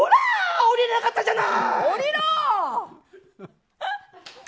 降りれなかったじゃない。